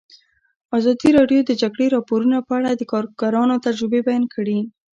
ازادي راډیو د د جګړې راپورونه په اړه د کارګرانو تجربې بیان کړي.